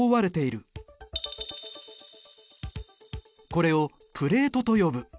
これをプレートと呼ぶ。